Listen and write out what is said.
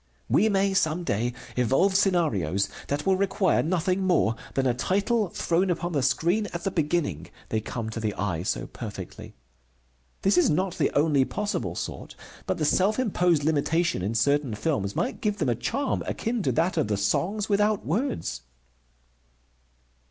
We may some day evolve scenarios that will require nothing more than a title thrown upon the screen at the beginning, they come to the eye so perfectly. This is not the only possible sort, but the self imposed limitation in certain films might give them a charm akin to that of the Songs without Words.